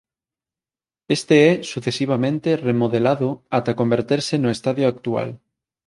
Este é sucesivamente remodelado ata converterse no estadio actual.